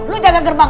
lu jaga gerbang